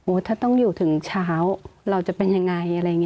โอ้ถ้าต้องอยู่ถึงเช้าเราจะเป็นยังไง